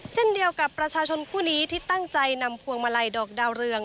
เช่นเดียวกับประชาชนคู่นี้ที่ตั้งใจนำพวงมาลัยดอกดาวเรือง